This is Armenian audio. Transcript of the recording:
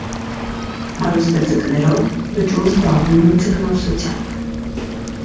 Հարուստ է ձկներով, լճում զբաղվում են ձկնորսությամբ։